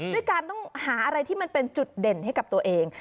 ด้วยการต้องหาอะไรที่มันเป็นจุดเด่นให้กับตัวเอง